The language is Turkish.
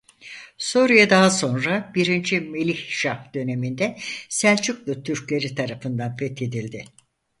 Suriye daha sonra birinci Melikşah döneminde Selçuklu Türkleri tarafından fethedildi.